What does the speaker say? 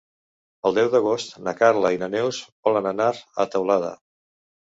El deu d'agost na Carla i na Neus volen anar a Teulada.